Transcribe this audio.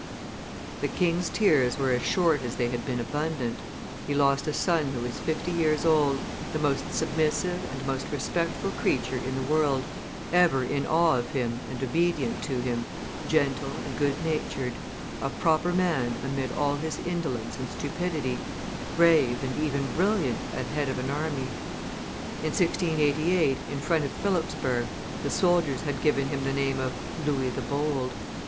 The king's tears were as short as they had been abundant. He lost a son who was fifty years old, the most submissive and most respectful creature in the world, ever in awe of him and obedient to him, gentle and good natured, a proper man amid all his indolence and stupidity, brave and even brilliant at head of an army. In 1688, in front of Philipsburg, the soldiers had given him the name of "Louis the Bold."